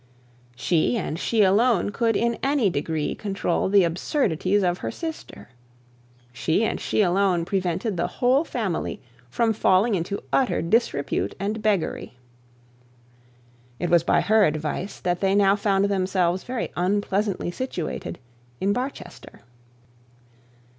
She, and she alone, could in any degree control the absurdities of her sister. She, and she alone, prevented the whole family from falling into utter disrepute and beggary. It was by her advice that they now found themselves very unpleasantly situated in Barchester.